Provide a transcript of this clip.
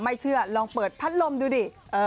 ไม่เชื่อลองเปิดพัดลมดูดิ